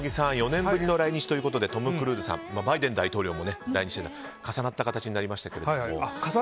４年ぶりの来日ということでトム・クルーズさんバイデン大統領も来日してましたが重なった形になりましたけど。